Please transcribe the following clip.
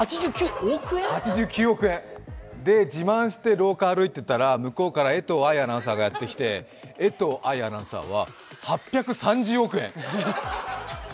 自慢して廊下を歩いていたら向こうから江藤愛アナウンサーがやってきて、江藤愛アナウンサーは８３０億円。